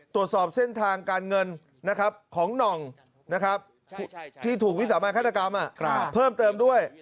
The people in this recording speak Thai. ตรวจสอบเส้นทางการเงินของหน่องที่ถูกวิสามันฆาตกรรมเพิ่มเติมด้วย